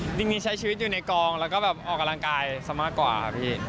จริงมีใช้ชีวิตอยู่ในกองแล้วก็แบบออกกำลังกายซะมากกว่าครับพี่